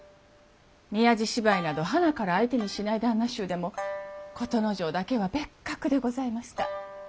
宮地芝居などはなから相手にしない旦那衆でも琴之丞だけは別格でございました。